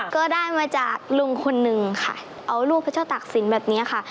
ก็ได้มาจากลุงคนนึงค่ะเอารูปพระเจ้าตักศิลป์แบบนี้ค่ะ